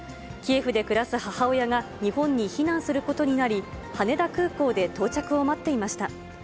キエフで暮らす母親が日本に避難することになり、羽田空港で到着を待っていました。